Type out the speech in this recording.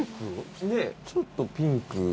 ねっちょっとピンク。